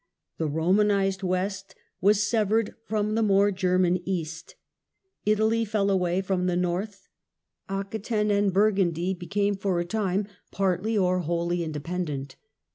The Romanised West was severed from the more German East. Italy fell away from the North ; Aquetaine and Burgundy became, for a time, partly or wholly inde pendent.